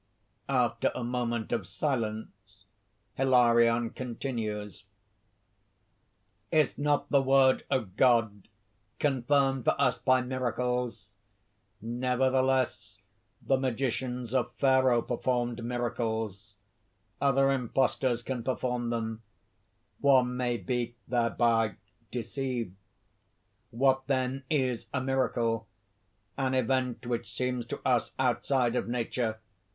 _ After a moment of silence Hilarion continues: ) "Is not the word of God confirmed for us by miracles? Nevertheless the magicians of Pharaoh performed miracles; other imposters can perform them; one may be thereby deceived. What then is a miracle? An event which seems to us outside of nature.